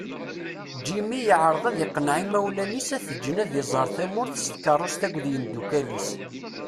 Jimmy yeɛreḍ ad iqenneɛ imawlan-is ad t-ǧǧen ad yezger tamurt s tkeṛṛust akked imdukal-is.